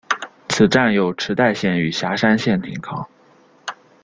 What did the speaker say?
此站有池袋线与狭山线停靠。